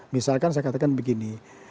misalkan saya katakan begini